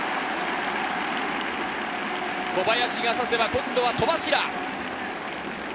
小林が刺せば、今度は戸柱。